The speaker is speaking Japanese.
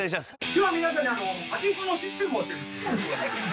今日は皆さんにパチンコのシステムを教えます。